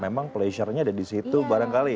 memang pleasure nya ada di situ barangkali